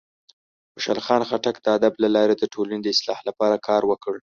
خوشحال خان خټک د ادب له لارې د ټولنې د اصلاح لپاره کار وکړ.